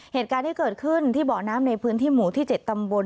เหตุการณ์ที่เกิดขึ้นที่เบาะน้ำในพื้นที่หมู่ที่๗ตำบล